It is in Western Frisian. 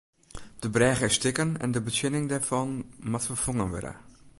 De brêge is stikken en de betsjinning dêrfan moat ferfongen wurde.